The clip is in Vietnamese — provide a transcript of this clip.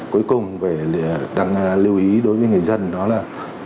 cuối cùng đang lưu ý đối với người dân đó là